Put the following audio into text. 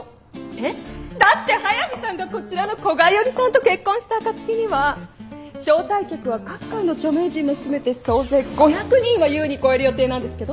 えっ？だって速見さんがこちらの古賀一織さんと結婚した暁には招待客は各界の著名人も含めて総勢５００人は優に超える予定なんですけど。